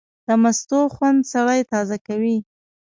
د مستو خوند سړی تازه کوي.